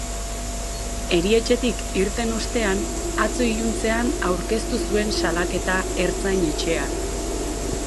Erietxetik irten ostean, atzo iluntzean aurkeztu zuen salaketa ertzain-etxean.